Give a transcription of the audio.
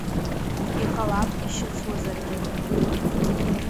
Иҟалап ишьыцуазаргьы.